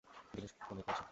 দীনেশ ফোনে করেছে।